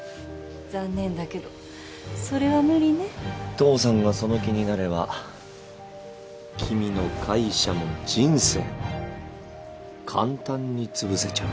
父さんがその気になれば君の会社も人生も簡単につぶせちゃうんだよ。